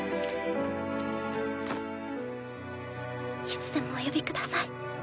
いつでもお呼びください。